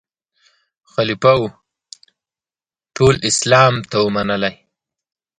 خلیفه وو ټول اسلام ته وو منلی